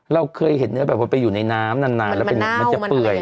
เราเคยเห็นเนื้อแบบว่าไปอยู่ในน้ำนานแล้วมันจะเปื่อย